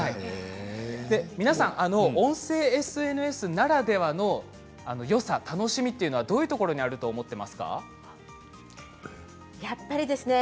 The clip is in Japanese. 皆さん、音声ＳＮＳならではのよさ、楽しみというのはどういうところにあるとやっぱりですね